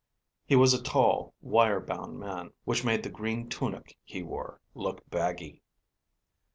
He was a tall, wire bound man, which made the green tunic he wore look baggy.